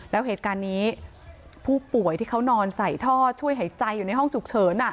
แล้วเหตุการณ์นี้ผู้ป่วยที่เขานอนใส่ท่อช่วยหายใจอยู่ในห้องฉุกเฉิน